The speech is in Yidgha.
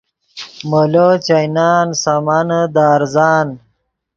مولو چائینان سامانے دے ارزان